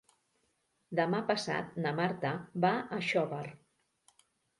Demà passat na Marta va a Xóvar.